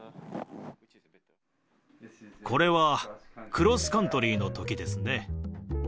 これはクロスカントリーのときですね。